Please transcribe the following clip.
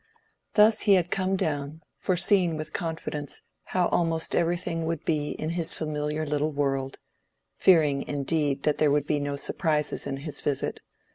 Thus he had come down, foreseeing with confidence how almost everything would be in his familiar little world; fearing, indeed, that there would be no surprises in his visit.